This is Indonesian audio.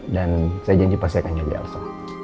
dan saya janji pasti akan jaga elsa